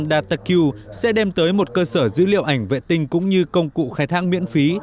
việt nam datacube sẽ đem tới một cơ sở dữ liệu ảnh vệ tinh cũng như công cụ khai thác miễn phí